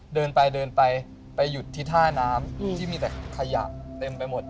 เดินไปเดินไปไปหยุดที่ท่าน้ำที่มีแต่ขยะเต็มไปหมด